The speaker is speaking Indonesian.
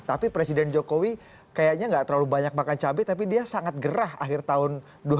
tapi presiden jokowi kayaknya tidak terlalu banyak makan cabe tapi dia sangat gerah akhir tahun dua ribu enam belas